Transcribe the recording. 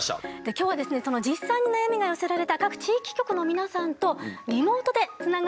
今日は実際に悩みが寄せられた各地域局の皆さんとリモートでつながっています。